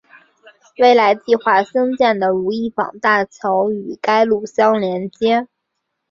未来计划兴建的如意坊大桥与该路相连接。